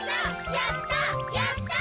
やったやった！